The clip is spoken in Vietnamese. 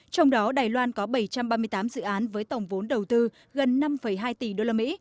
trong đó đài loan có bảy trăm ba mươi tám dự án với tổng vốn đầu tư gần năm hai tỷ usd